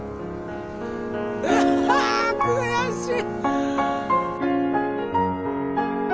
うわ悔しい。